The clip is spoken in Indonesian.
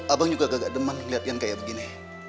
abang juga gak demen liat ian kayak begini